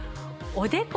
おでこ？